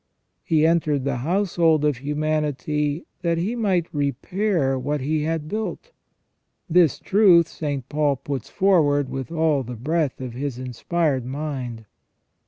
He entered the household of humanity that He might repair what He had built. This truth St. Paul puts forward with all the breadth of his inspired mind.